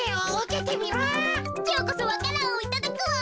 きょうこそわか蘭をいただくわ。